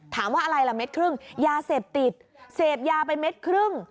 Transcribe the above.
ถามว่าอะไรล่ะเม็ดครึ่ง